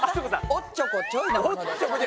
おっちょこちょいなもので。